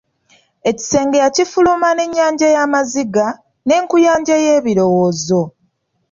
Ekisenge yakifuluma n’ennyanja y’amaziga, n’enkuyanja y’ebirowoozo.